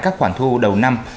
các khoản thu đầu năm